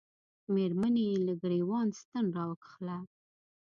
مېرمنې یې له ګرېوان ستن را وکښله.